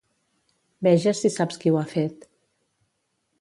Veges si saps qui ho ha fet.